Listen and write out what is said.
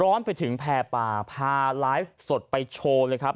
ร้อนไปถึงแพร่ป่าพาไลฟ์สดไปโชว์เลยครับ